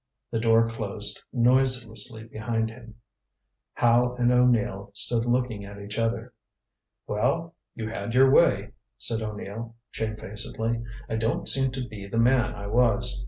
The door closed noiselessly behind him. Howe and O'Neill stood looking at each other. "Well you had your way," said O'Neill, shamefacedly. "I don't seem to be the man I was.